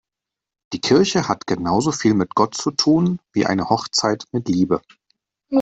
Die Kirche hat genauso viel mit Gott zu tun wie eine Hochzeit mit Liebe.